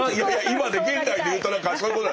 今ね現代で言うと何かそういうこと。